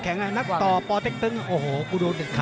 มันมีรายการมวยนัดใหญ่อยู่นัดอยู่นะ